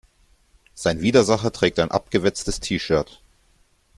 Sein Widersacher trägt ein abgewetztes T-shirt.